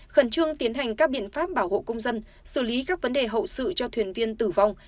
khẩn trương tiến hành các biện pháp bảo hộ công dân xử lý các vấn đề hậu sự cho thuyền viên tử vong